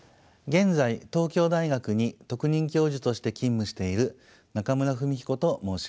現在東京大学に特任教授として勤務している中村文彦と申します。